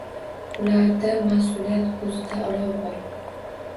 Ularda mas’uliyat, ko‘zida olov bor.